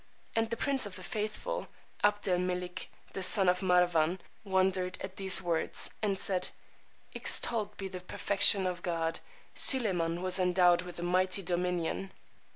And the Prince of the Faithful, Abd El Melik, the son of Marwán, wondered at these words, and said, Extolled be the perfection of God! Suleymán was endowed with a mighty dominion!